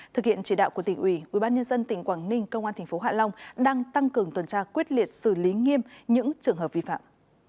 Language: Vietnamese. thực hiện chỉ đạo của tỉnh ủy ubnd tỉnh quảng ninh công an tp hạ long đang tăng cường tuần tra quyết liệt xử lý nghiêm những trường hợp vi phạm